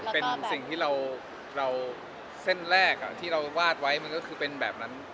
เป็นที่เราเซ็นแรกวาดไว้ก็คือเป็นแบบนั้น